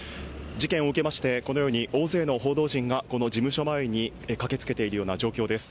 事件を受けまして、このように大勢の報道陣が事務所前に駆けつけているような状況です。